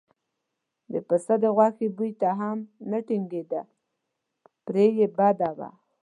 د پسه د غوښې بوی ته هم نه ټینګېده پرې یې بده وه.